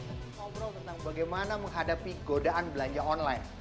kita ngobrol tentang bagaimana menghadapi godaan belanja online